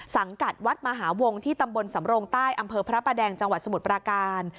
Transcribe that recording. สังกัดวัดมหาวงที่ตำบลสำรงใต้อำเภอพระประแดงจังหวัดสมุทรปราการ